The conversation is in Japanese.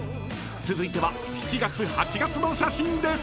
［続いては７月・８月の写真です］